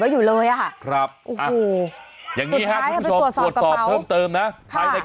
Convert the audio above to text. ฮุ่ยยิงด้วย